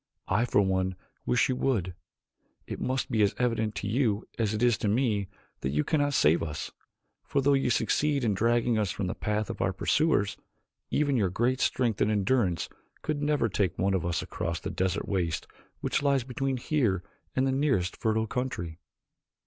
I for one wish that you would. It must be as evident to you as it is to me that you cannot save us, for though you succeeded in dragging us from the path of our pursuers, even your great strength and endurance could never take one of us across the desert waste which lies between here and the nearest fertile country."